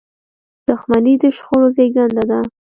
• دښمني د شخړو زیږنده ده.